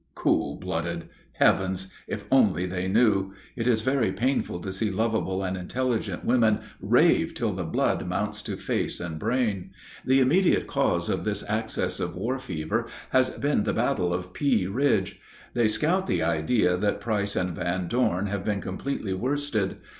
Cool blooded! Heavens! if they only knew. It is very painful to see lovable and intelligent women rave till the blood mounts to face and brain. The immediate cause of this access of war fever has been the battle of Pea Ridge. They scout the idea that Price and Van Dorn have been completely worsted.